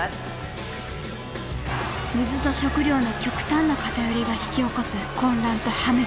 水と食料の極端な偏りが引き起こす混乱と破滅。